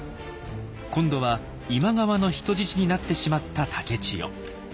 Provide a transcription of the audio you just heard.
今度は今川の人質になってしまった竹千代。